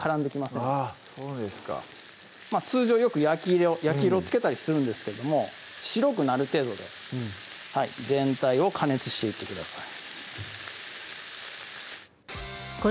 そうですか通常よく焼き色をつけたりするんですけども白くなる程度で全体を加熱していってください